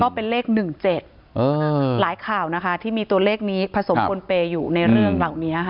ก็เป็นเลขหนึ่งเจ็ดเออหลายข่าวนะคะที่มีตัวเลขนี้ผสมคนเปย์อยู่ในเรื่องเหล่านี้อ่ะ